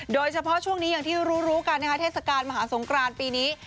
โดยเฉพาะช่วงนี้อย่างที่รู้กันนะคะเทศกาลมหาสงครานปีนี้